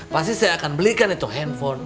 pasti saya akan belikan itu handphone